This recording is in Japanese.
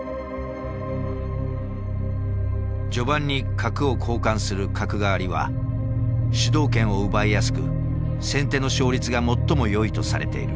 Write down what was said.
序盤に角を交換する角換わりは主導権を奪いやすく先手の勝率が最もよいとされている。